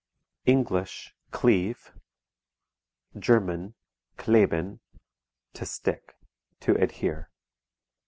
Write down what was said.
English: cleave; German: kleben to stick, to adhere.